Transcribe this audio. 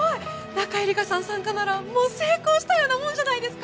仲衿香さん参加ならもう成功したようなもんじゃないですか